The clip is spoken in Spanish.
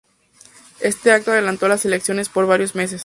Este acto adelantó las elecciones por varios meses.